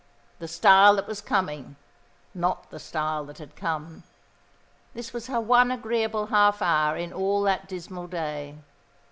The style that was coming; not the style that had come. This was her one agreeable half hour in all that dismal day.